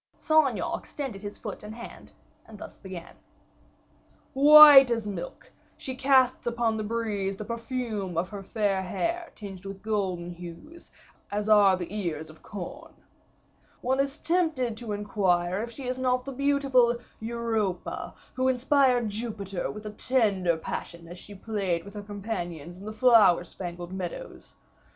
Saint Aignan extended his foot and hand, and thus began: "White as milk, she casts upon the breeze the perfume of her fair hair tinged with golden hues, as are the ears of corn. One is tempted to inquire if she is not the beautiful Europa, who inspired Jupiter with a tender passion as she played with her companions in the flower spangled meadows.